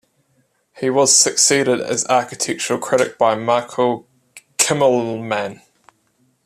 He was succeeded as architectural critic by Michael Kimmelman.